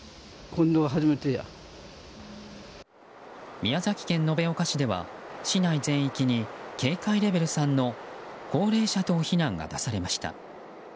宮崎県延岡市では市内全域に警戒レベル３の高齢者等避難が出されました。